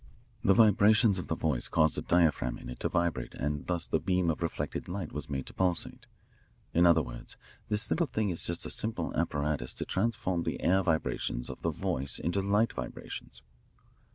The vibrations of the voice caused a diaphragm in it to vibrate and thus the beam of reflected light was made to pulsate. In other words, this little thing is just a simple apparatus to transform the air vibrations of the voice into light vibrations.